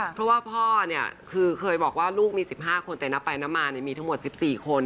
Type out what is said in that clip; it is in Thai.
เพราะว่าพ่อเนี่ยคือเคยบอกว่าลูกมี๑๕คนแต่นับไปนับมามีทั้งหมด๑๔คน